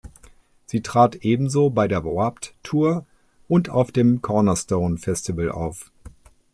Sie trat ebenso bei der Warped Tour und auf dem Cornerstone Festival auf.